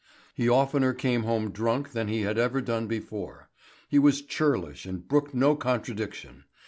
He oftener came home drunk than he had ever done before; he was churlish and brooked no contradiction.